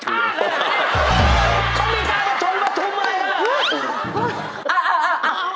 เขามีการประชุมประชุมอะไรล่ะ